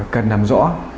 cần nằm rõ